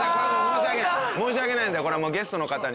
申し訳ないんだよこれはもうゲストの方にさ。